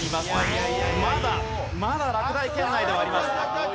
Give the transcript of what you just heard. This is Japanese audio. まだまだ落第圏内ではあります。